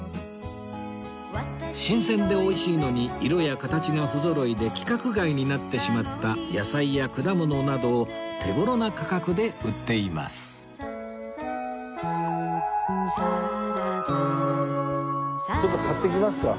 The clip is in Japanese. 新鮮で美味しいのに色や形がふぞろいで規格外になってしまった野菜や果物などを手頃な価格で売っています